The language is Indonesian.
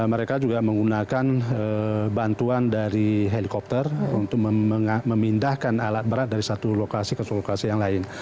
mereka juga menggunakan bantuan dari helikopter untuk memindahkan alat berat dari satu lokasi ke lokasi yang lain